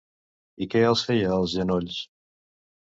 I què els feia als genolls?